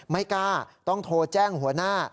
ไม่กล้าต้องโทรแจ้งหัวหน้า